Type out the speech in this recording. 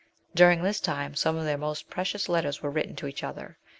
During this time some of their most precious letters were written to each other.